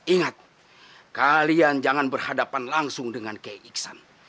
ingat kalian jangan berhadapan langsung dengan kiai iksan